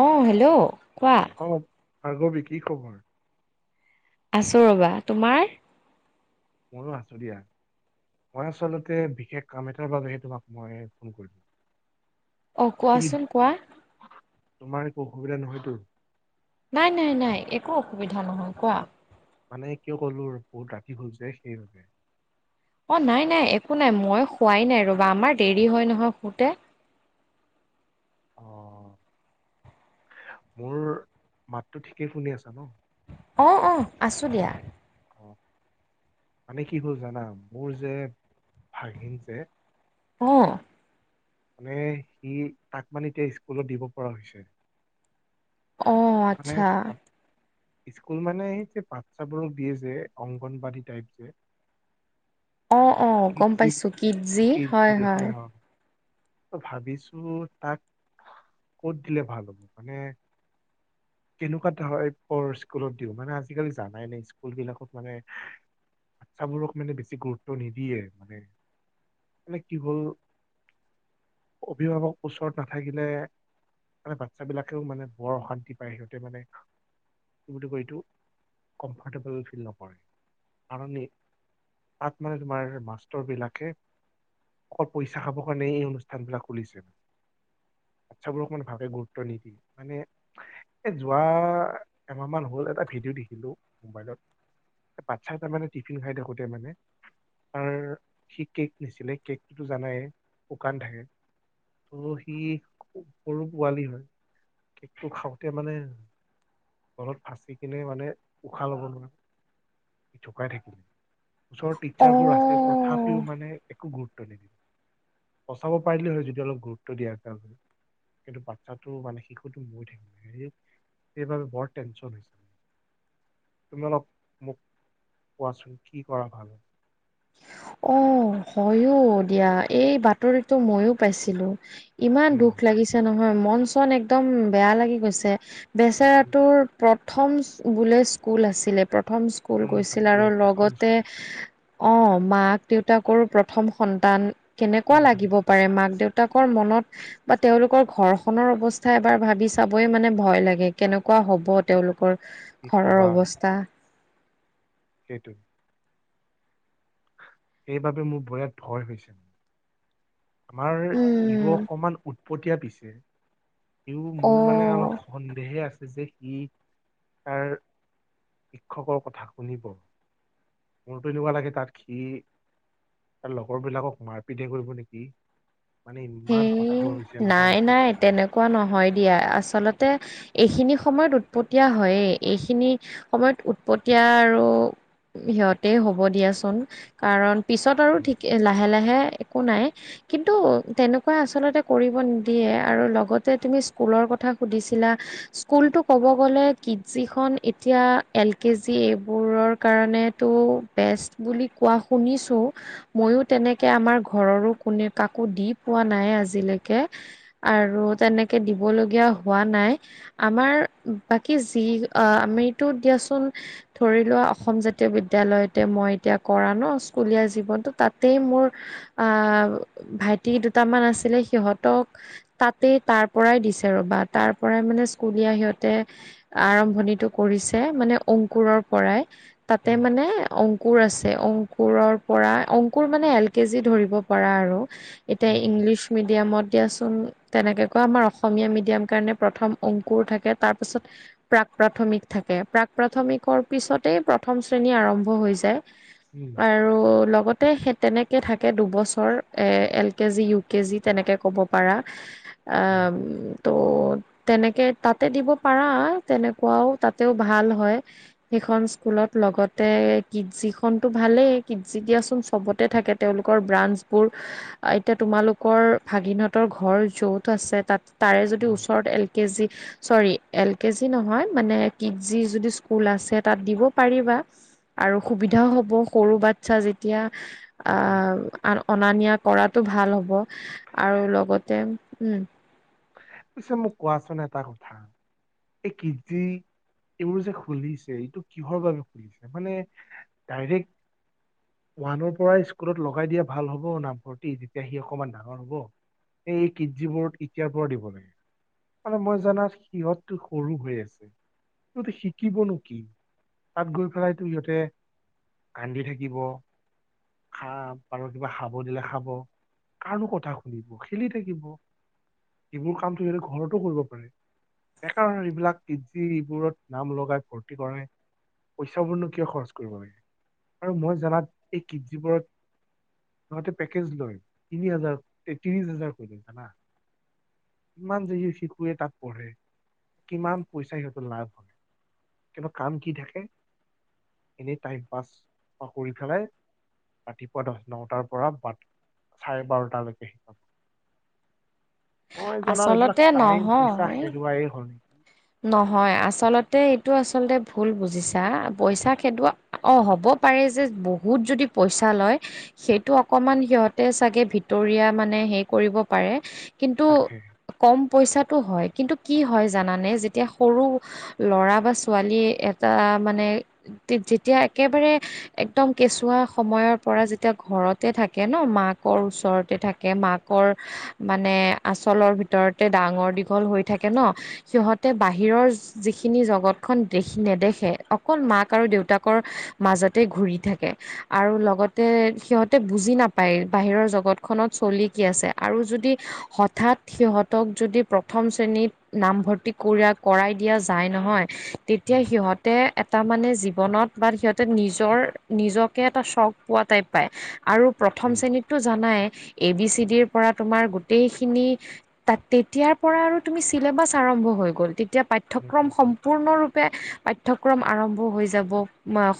অঁ হেল্লো' কোৱা। অ ভাৰ্গৱী, কি খবৰ? আছোঁ ৰ'বা, তোমাৰ? মোৰো আছো দিয়া। মই আচলতে বিশেষ কাম এটাৰ বাবেহে তোমাক মই ফোন কৰিলো। অঁ তুমি কোৱাচোন কোৱা। তোমাৰ একো অসুবিধা নহয়তো। নাই নাই নাই একো অসুবিধা নহয়, কোৱা। মানে কিয় ক'লো বহুত ৰাতি হল যে সেইবাবে। অঁ নাই নাই একো নাই মই শুৱাই নাই ৰ'বা আমাৰ দেৰি হয় নহয় শুতে। অ মোৰ মাতটো ঠিকেই শুনি আছা ন। অঁ অঁ আছোঁ দিয়া। অঁ মানে কি হ'ল জানা মোৰ যে ভাগিন যে অঁ মানে সি তাক মানে এতিয়া স্কুলত দিব পৰা হৈছে। অ', মানে আচ্ছা স্কুল মানে সেই যে বাচ্ছাবোৰক দিয়ে যে অংগনবাদী টাইপ যে। অঁ অঁ গম কিডজি পাইছো কিট জি হয় হয়। ত ভাবিছো তাক কত দিলে ভাল হ'ব, মানে কেনেকুৱা ধৰ কৰ স্কুলত দিওঁ মানে আজিকালি জানাই নাই স্কুল বিলাকত মানে বাচ্ছাবোৰক মানে বেছি গুৰুত্ব নিদিয়ে মানে, মানে কি হ'ল অভিভাৱক ওচৰত নাথাকিলে, মানে বাচ্ছা বিলাকেও মানে বৰ অশান্তি পায় ইহঁতে মানে। কি বুলি কয় এইটো, কমফৰ্টেবল ফিল নকৰে। কাৰণ এই তাত মানে তোমাৰ মাষ্টৰ বিলাকে অকল পইচা খাব কাৰণে এই অনুষ্ঠান বিলাক খুলিছে মানে। বাচ্ছাবোৰক অকমান ভালকে গুৰুত্ব নিদিয়ে। মানে এ যোৱা এমাহ মান হ'ল এটা ভিডিঅ' দেখিলো মোবাইলত। বাচ্ছা এটামানে টিফিন খাই থাকোতে মানে তাৰ সি কেক নিছিলে, কেকটোতো জানাইে শুকান থাকে। ত সি সৰু পোৱালি হয় কেকটো খাও টোৱে মানে তলত ফাঁচি কিনে মানে উশাহ ল'ব নোৱাৰে। ধুকাই থাকিল, ওচৰ টিচাৰবোৰ আছে অ', তথাপিও মানে একো গুৰুত্ব নিদিলে, বচাব পাৰিলে হয়, যদি অলপ গুৰুত্ব দিয়াৰ কাৰ হয়। কিন্তু বাচ্ছাতটো মানে শিশুটো মৰি থাকিল। সেইবাবে বৰ টেনশ্যন হৈছে। তুমি অলপ মোক কোৱাচোন কি কৰা ভাল হয়। অঁ হয়ো দিয়া, এই বাতৰিটো ময়ো পাইছিলো। ইমান উম দুখ লাগিছে নহয়, মন চন একদম বেয়া লাগি গৈছে। উম বেচেৰাটোৰ প্ৰথম বোলে স্কুল আছিলে, প্ৰথম স্কুল উম, গৈছিল তাকে আৰু প্ৰথম লগতে স্কুল, অঁ, মাক দেউতাকৰো প্ৰথম সন্তান কেনেকুৱা উম উম, লাগিব পাৰে মাক দেউতা দেউতাকৰ মনত বা তেওঁলোকৰ ঘৰখনৰ অৱস্থা এবাৰ ভাবি চাবই মানে ভয় লাগে, কেনেকুৱা হব তেওঁলোকৰ। কি ঘৰৰ কবা অৱস্থা। সেইটো সেইবাবে মোৰ বিৰাট ভয় হৈছে। আমাৰ ইগ' উম, অকমান উৎপতিয়া পিছে। সিউ মোৰ মানে অ'। অলপ সন্দেহে আছে যে সি তাৰ শিক্ষকৰ কথা শুনিব। মোৰটো এনেকুৱা লাগে তাত সি তাৰ লগৰ বিলাকক মাৰ পিতহে কৰিব নেকি মানে ইমান খতাসুৰ হৈছে নহয় কি ক'বা। কুৱা নহয় দিয়া আচলতে এইখিনি সময়ত উৎপতিয়া হয়েই এইখিনি সময়ত উৎপতিয়া আৰু সিহঁতে হ'ব দিয়াচোন। কাৰণ পিছত আৰু উম ঠিক লাহে লাহে একো নাই কিন্তু তেনেকুৱা আচলতে কৰিব নিদিয়ে আৰু লগতে তুমি স্কুলৰ কথা সুধিছিলা স্কুলতো ক'ব গ'লে কিট জি খন এতিয়া এল কে জি এইবোৰৰ কাৰণে টো বেষ্ট বুলি কোৱা শুনিছোঁ। ময়ো তেনেকে আমাৰ ঘৰৰো কোনে কাকো দি পোৱা নাই আজিলৈকে। আৰু তেনেকে দিব লগীয়াও হোৱা নাই। আমাৰ বাকী যি অ আমিটো দিয়াচোন ধৰি লোৱা অসম জাতীয় বিদালয়তে মই এতিয়া কৰা ন স্কুলীয়া জীৱনটো তাতেই মোৰ আহ ভাইটি দুটামান আছিলে সিহঁতক তাতেই তাৰ পৰাই দিছে ৰ'বা তাৰ পৰাই মানে স্কুলীয়া সিহঁতে আৰম্ভণিটো কৰিছে মানে অংকুৰৰ পৰাই তাতে উম মানে অং অংকুৰ আছে অংকুৰৰ পৰা অংকুৰ মানে এল কে জি ধৰিব পাৰা আৰু। এতিয়া উম ইংলিছ মেডিয়ামত দিয়াচোন তেনেকে কৈ আমাৰ অসমীয়া মেডিয়াম কাৰণে প্ৰথম অংকুৰ থাকে তাৰপাছত প্ৰাক প্ৰাথমিক থাকে প্ৰাক প্ৰাথমিকৰ পিছতেই প্ৰথম শ্ৰেণী আৰম্ভ হৈ যায়। উম আৰু লগতে সেই তেনেকে থাকে দুবছৰ এ L K G U K G তেনেকে ক'ব পাৰা। আ উম ত' তেনেকে তাতে দিব পাৰা তেনেকুৱাও তাতেও ভাল হয়। সেইখন স্কুলত লগতে কিটজি খনটো ভালেই কিটজি দিয়াচোন চবতে থাকে। তেওঁলোকৰ ব্ৰাঞ্চবোৰ। [inaudible] অ এতিয়া তোমালোকৰ ভাগিনহঁতৰ ঘৰ য'ত আছে তাত তাৰে যদি উম ওচৰত এল কে জি চৰি এল কে জি নহয় মানে কিটজি যদি স্কুল আছে তাত দিব পাৰিবা। আৰু সুবিধাও হ'ব সৰু বাচ্ছা যেতিয়া। উম উম আহ আ অনা নিয়া কৰাতো ভাল হ'ব আৰু লগতে উম। পিছে মোক কোৱাচোন এটা কথা এই কিটজি এইবোৰ যে খুলিছে এইটো কিহৰ বাবে খুলিছে মানে ডাইৰেক্ট ওৱানৰ পৰাই স্কুলত লগাই দিয়া ভাল হ'ব নামভৰ্তি যেতিয়া সি অকমান ডাঙৰ হ'ব। এই কিটজিবোৰত এতিয়াৰ পৰা দিব লাগে মানে মই জনাত সিহঁতটো সৰু হৈ আছে। সিহঁতে শিকিবনো কি? তাত গৈ পেলাই টো সিহঁতে কান্দি থাকিব। খা বাৰ কিবা খাব দিলে খাব কাৰনো কথা শুনিব খেলি থাকিব। এইবোৰ কামটো সিহঁতে ঘৰতো কৰিব পাৰে। বেকাৰ হয় এইবিলাক কিটজি এইবোৰত নাম লগাই ভৰ্তি কৰে। পইচাবোৰনো কিয় খৰচ কৰিব লাগে আৰু মই জনাত এই কিডনীবোৰত। তহঁতে পেকেজ লয় তিনি হাজাৰ ত্ৰিশ হাজাৰ কৰি লয় জানা? কিমান যদি শিশুৱে তাত পঢ়ে, কিমান পইচা সিহঁতৰ লাভ হয়। কিন্তু কাম কি থাকে এনেই টাইম পাছ বা কৰি পেলাই। ৰাতিপুৱা দহ নটাৰ পৰা বাট চাৰে বাৰটালৈকে শিকাম। মই জনাত এইবিলাক আচলতে টাইম পইচা নহয় হেৰুৱাই হয়। নহয় আচলতে এইটো আচলতে ভুল বুজিছা পইচা খেদোৱা। অ। হ'ব পাৰে যে বহুত যদি পইচা লয়। সেইটো অকমান সিহঁতে চাগে ভিতটৰিয়া মানে হেই কৰিব পাৰে। কিন্তু তাকে কম পইচাটো হয় কিন্তু কি হয় জানানে। এতিয়া সৰু ল'ৰা বা ছোৱালীয়ে এটা মানে। যেতিয়া একেবাৰে। একদম কেঁচুৱা সময়ৰ পৰা যেতিয়া ঘৰতে থাকে ন, মাকৰ ওচৰতে থাকে মাক। মানে আচলৰ ভিতৰতে ডাঙৰ দীঘল হৈ থাকে ন সিহঁত। বাহিৰৰ। যিখিনি জগতখনন দেখি নেদেখে, অকল মাক আৰু দেউতাকৰ মাজতে ঘূৰি থাকে। আৰু লগতে সিহঁতে বুজি নাপায় বাহিৰৰ জগতখনত চলি কি আছে আৰু যদি। অৰ্থাৎ সিহঁতক যদি প্ৰথম শ্ৰেণীত নামভৰ্তি। কৰাই দিয়া যায় নহয়, তেতিয়া উম, সিহঁতে। এটা মানে জীৱনত বা সিহঁতে নিজৰ নিজকে এটা চখ পোৱা টাইপ পায়। আৰু প্ৰথম উম, শ্ৰেণীতটো জানাই এ বি চি ডিৰ পৰা তোমাৰ গোটেইখিনি, তাত তেতিয়াৰ পৰা আৰু তুমি চিলেবাছ আৰম্ভ হৈ গল তেতিয়া উম, পাঠ্যক্ৰম। উম, পাঠ্য়ক্ৰম আৰম্ভ হৈ যাব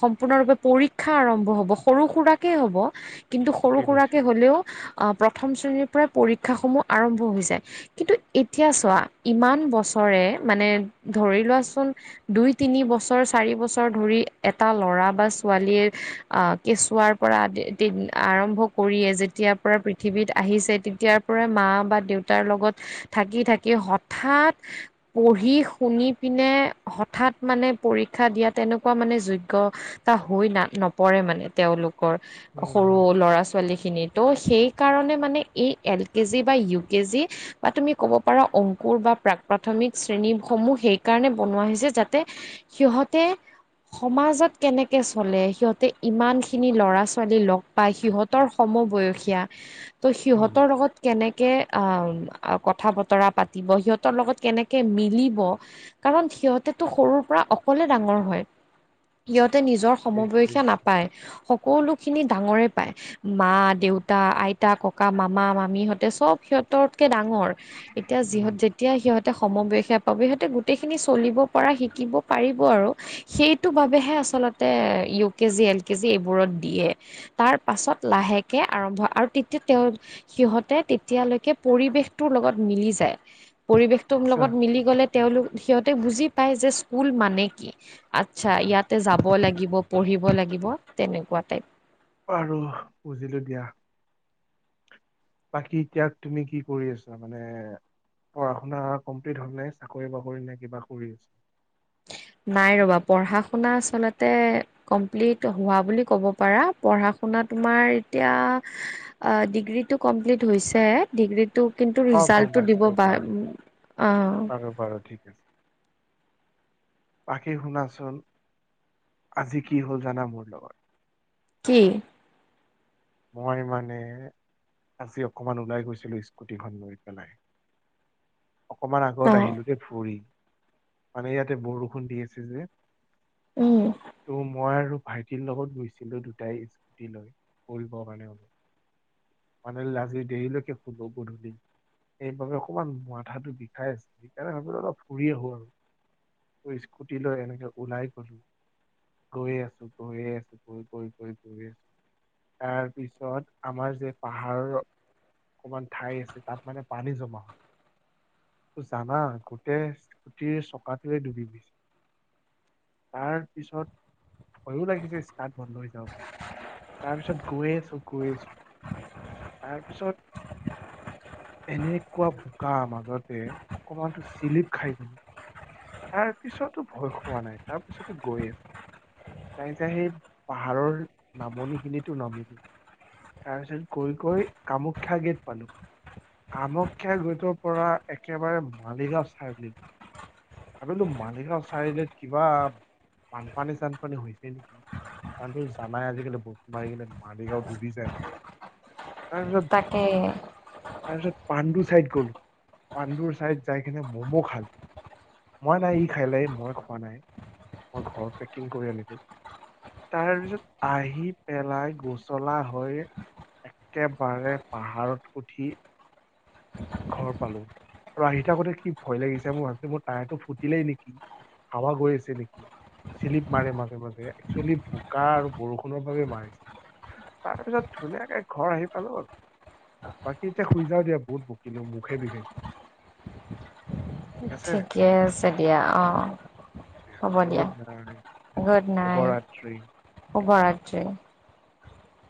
সম্পূৰ্ণৰূপে [unintelligible] শিক্ষা আৰম্ভ হব, সৰু সুৰাকে হ'ব কিন্তু সৰু ঠিকে কৈছা সুৰাকে হলেও। প্ৰথম শ্ৰেণীৰ পৰাই পৰীক্ষাসমূহ আৰম্ভ হৈ যায়, কিন্তু এতিয়া চোৱা ইমান বছৰ। কৰে মানে ধৰি লোৱাচোন। দুই - তিনি বছৰ চাৰি বছৰ ধৰি এটা ল'ৰা বা ছোৱালীয়ে। কেঁচুৱাৰ পৰা আদি আৰম্ভ কৰিয়ে যেতিয়াৰ পৰা পৃথিৱীত আহিছে তেতিয়াাৰ। তেতিয়া পৰা মা বা দেউতাৰ লগত থাকি থাকি হঠাৎ। পঢ়ি শুনি পিনে হঠাৎ মানে পৰীক্ষা দিয়া তেনেকুৱা মানে যোগ্য। তা হৈ না নপৰে মানে তেওঁলোকৰ উম সৰু হম ল'ৰা ছাল। ছোৱালীখিনি তো সেইকাৰণে মানে এই এল কে জি বা ইউ কে জি। বা তুমি ক'ব পাৰা অংকুৰ বা প্ৰাক। প্ৰাথমিক শ্ৰেণীসমূহ সেইকাৰণে বনোৱা হৈছে যাতে সিহতে। সমাজত কেনেকে চলে, সিহঁতে ইমান খিনি ল'ৰা- ছোৱালী লগ। বা সিহঁতৰ সমবয়সীয়া। [unintelligible] ত' সিহঁতৰ লগত কেনেকে অ' কথা বতৰা পাতিব সিহঁতৰ লগত। কেনেকে মিলিব, কাৰণ সিহঁতেটো সৰুৰ পৰা অকলে ডাঙৰ হয়। সিহঁতে নিজৰ ঠিক সমবসা কৈছা নাপায়, সকলোখিনি ডাঙৰে পায়। মা দেউতা, আইতা ককা মামা মামী সহঁতে চব সিহঁততকে ডাঙৰ। এতিয়া উম যিহত যেতিয়া সিহত। সমবয়সে পাব, সিহঁতে গোটেইখিনি চলিব পৰা শিকিব পাৰিব আৰু। সেইটো বাবেহে আচলতে U K G L K G এইবোৰত দিয়ে। তাৰ পাছত লাহেকে আৰম্ভ আৰু তেতিয়া তেওঁ। সিহঁতে তেতিয়ালৈকে পৰিৱেশটোৰ লগত মিলি যায় পৰি তো আচ্ছা লগত মিলি গ'লে তেওঁলোক সিহঁতে বুজি পায় যে স্কুল মানে কি? আচ্ছা উম, উম। ইয়াতে যাব লাগিব পঢ়িব লাগিব তেনেকুৱা টাইপ। আৰু বুজিলোঁ দিয়া। বাকী এতিয়া তুমি কি কৰি আছা মানে। পঢ়া শুনা কমপ্লিট হ'লনে নাই চাকৰি বাকৰি নাই কিবা কৰি আছে। নাই ৰবা পঢ়া শুনা আচলতে কমপ্লিট হোৱা বুলি ক'ব পাৰা পঢ়া শুনা তোমাৰ এতিয়া অ', ডিগ্ৰীটো কমপ্লিট হৈছে ডিগ্ৰী তটো কিন্তু অ গম ৰিজাল্টটো দিব বা অ'। হব বাৰু ঠিক আছে। বাকী শুনাচোন আজি কি হ'ল জানা মোৰ লগত। কি? মই মানে আজি অকমান ওলাই গৈছিলোঁ স্কুটিখন লৈ পেলাই অকমান আগত অঁ আহিলোতে ভুৰি মানে ইয়াতে বৰষুণ দি আছে যে উম ত মই আৰু ভাইটিৰ লগত গৈছিলোঁ দুটাই স্কুটি লৈ কৰিবৰ কাৰণে অলপ মানে আজি দেৰিলৈকে শুলো গধূলি সেইবাবে অকণমান মথাটো বিষাই আছে সেইকাৰণে ভাবিলো অলপ ফুৰি আহো আৰু স্কুটি লৈ এনেকে ওলাই গ'লো। গৈয়ে আছোঁ গৈয়ে আছোঁ গৈ, গৈ গ গৈয়ে আছোঁ। তাৰ পিছত আমাৰ যে পাহাৰৰ অকমান ঠাই আছে তাত মানে পানী জমা হয়। ত জানা গোটেই স্কুটিৰ চকাটোৱে ডুবিবিছে। তাৰ পিছত ভয়ো লাগিছে ষ্টাৰ্ট বন্ধ হৈ যাব বুলি। তাৰ পিছত গৈ আছোঁ গৈ আছোঁ তাৰপিছত এনেকুৱা বোকা মাজতে অকমানতো চিলিপ খাই গলোঁ তাৰ পিছতো ভয় খোৱা নাই তাৰ পিছতো গৈ আছোঁ। যাই তাই সেই পাহাৰৰ নামনি খিনিতো নামিলো তাৰ পিছত গৈ গৈ কামাখ্যা গেট পালোঁ। কামাখ্যাই গেটৰ পৰা একেবাৰে মালিগাঁও চাৰিআলি ভাবিলোঁ মালিগাঁও চাৰিআলিট কিবা বানপানী চানপানী হৈছে নেকি। কাৰণ ত জানাই আজিকালি বৰষুন মাৰিলে কিনে মালিগাঁও ডুবি যায় তাৰপিছত তাকেই। তাৰপিছত পাণ্ডু চাইদ গলোঁ পাণ্ডুৰ চাইদ যাই কিনে ম'ম' খালোঁ। মই নাই ই খাই লাই মই খোৱা নাই মই ঘৰত পেকিং কৰি আনিলোঁ। তাৰ পিছত আহি পেলাই গোচলা হৈ একেবাৰে পাহাৰত উঠি ঘৰ পালো আৰু আহি থাকোঁতে কি ভয় লাগিছে মই ভাবছো মোৰ টায়াৰ টো ফুটিলেই নেকি। হাৱা গৈ আছে নেকি। চিলিপ মাৰে মাজে মাজে একচুৱেলি বোকা আৰু বৰষুণৰ বাবে মাৰিছে। তাৰ পিছত ধুনীয়াকে ঘৰ আহি পালোঁ আৰু বাকী এতিয়া শুই যাও দিয়া বহুত, বহুত কিন্তু মুখে বিষা আছে ঠিকে আছে দিয়া অ'। গুডনাইট গুড শুভ নাইট ৰাত্ৰি। শুভৰাত্ৰি।